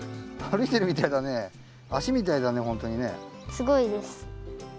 すごいです。